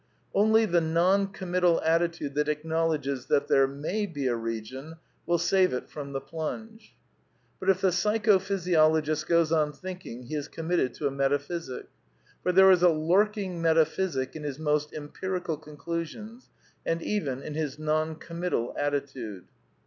Only the non committal attitude that acknowledges that there may be a region will save it from the plunge. But if the Psychophysiologist goes on thinking he is committed to a metaphysic. For there is a lurking meta physic in his most empirical conclusions, and even in his non committal attitude.